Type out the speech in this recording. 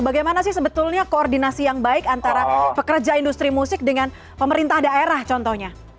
bagaimana sih sebetulnya koordinasi yang baik antara pekerja industri musik dengan pemerintah daerah contohnya